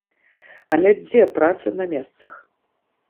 Але дзе праца на месцах?